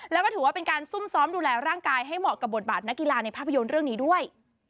แล้วก็ถือว่าเป็นการซุ่มซ้อมดูแลร่างกายให้เหมาะกับบทบาทนักกีฬาในภาพยนตร์เรื่องนี้ด้วย